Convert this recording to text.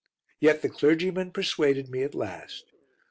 Yet the clergyman persuaded me at last.